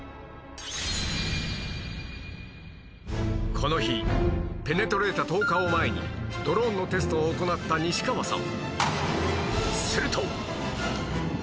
この日ペネトレータ投下を前にドローンのテストを行った西川さん